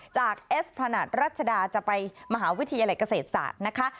เอสพนัทรัชดาจะไปมหาวิทยาลัยเกษตรศาสตร์นะคะ